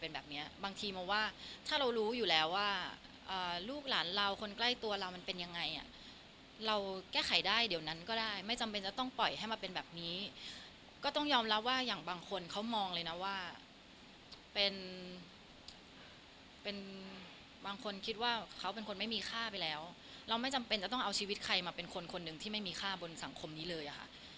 เป็นแบบเนี้ยบางทีมองว่าถ้าเรารู้อยู่แล้วว่าลูกหลานเราคนใกล้ตัวเรามันเป็นยังไงอ่ะเราแก้ไขได้เดี๋ยวนั้นก็ได้ไม่จำเป็นจะต้องปล่อยให้มาเป็นแบบนี้ก็ต้องยอมรับว่าอย่างบางคนเขามองเลยนะว่าเป็นเป็นบางคนคิดว่าเขาเป็นคนไม่มีค่าไปแล้วเราไม่จำเป็นจะต้องเอาชีวิตใครมาเป็นคนคนหนึ่งที่ไม่มีค่าบนสังคมนี้เลยอะค่ะ